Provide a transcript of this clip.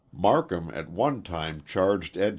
Marcum at one time charged Ed.